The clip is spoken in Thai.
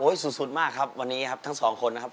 สุดมากครับวันนี้ครับทั้งสองคนนะครับ